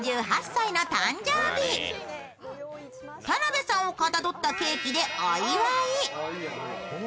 田辺さんをかたどったケーキでお祝い。